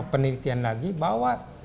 penelitian lagi bahwa